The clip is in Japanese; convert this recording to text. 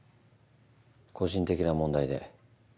個人的な問題で。